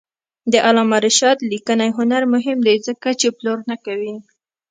د علامه رشاد لیکنی هنر مهم دی ځکه چې پلور نه کوي.